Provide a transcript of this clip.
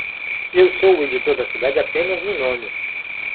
Eu sou o editor da cidade apenas no nome.